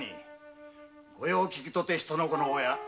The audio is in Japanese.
「御用聞き」とて人の子の親。